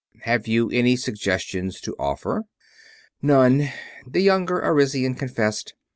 "Have you any suggestions to offer?" "None," the younger Arisian confessed.